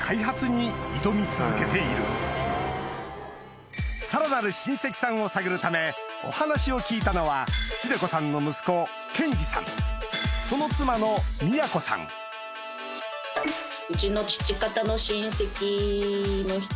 克也さんはさらなる親戚さんを探るためお話を聞いたのは秀子さんの息子研治さんその妻の京さんいやいや。